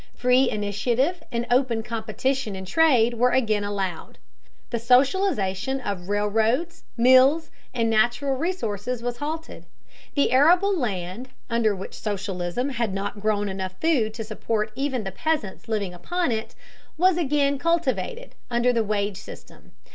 Free initiative and open competition in trade were again allowed. The socialization of railroads, mills, and natural resources was halted. The arable land, which under socialism had not grown enough food to support even the peasants living upon it, was again cultivated under the wage system.